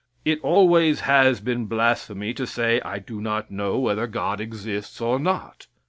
It always has been blasphemy to say "I do not know whether God exists or not."